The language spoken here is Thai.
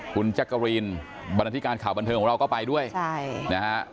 คุณจักรีนบรรทิการข่าวบันเทิงของเราก็ไปด้วยใช่